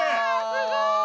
すごい！